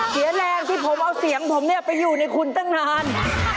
เสียแรงที่ผมเอาเสียงผมเนี่ยไปอยู่ในคุณตั้งนาน